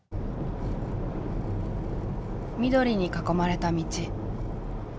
緑に囲まれた道。